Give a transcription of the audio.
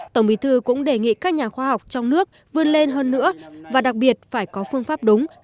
tổng bí thư cũng đề nghị các nhà khoa học trong nước vươn lên hơn nữa và đặc biệt phải có phương pháp đúng